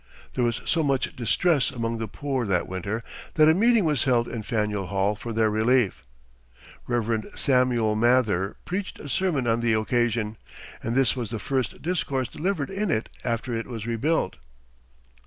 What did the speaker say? There was so much distress among the poor that winter that a meeting was held in Faneuil Hall for their relief, Rev. Samuel Mather preaching a sermon on the occasion, and this was the first discourse delivered in it after it was rebuilt.